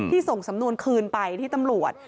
ส่งสำนวนคืนไปที่ตำรวจ